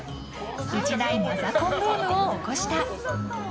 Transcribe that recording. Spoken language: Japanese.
一大マザコンブームを起こした。